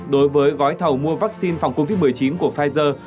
đối với gói thầu mua vắc xin phòng covid một mươi chín của pfizer